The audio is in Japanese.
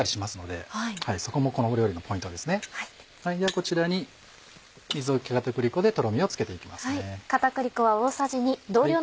ではこちらに水溶き片栗粉でとろみをつけて行きます。